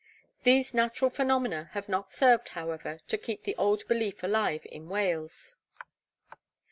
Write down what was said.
These natural phenomena have not served, however, to keep the old belief alive in Wales.